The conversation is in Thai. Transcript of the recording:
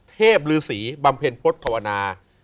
เทพฤษีบำเพ็ญพสตร์ธวนา